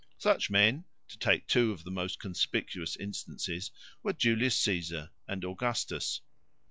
Such men, to take two of the most conspicuous instances, were Julius Caesar and Augustus.